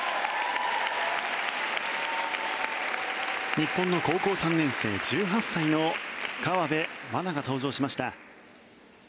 日本の高校３年生、１８歳の河辺愛菜が登場しました。